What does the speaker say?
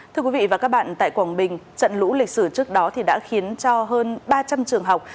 thưa quý vị và các bạn tại quảng bình trận lũ lịch sử trước đó đã khiến cho hơn ba trăm linh trường học